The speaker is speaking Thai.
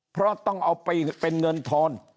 เพราะต้องเอาไปเป็นเงินทอน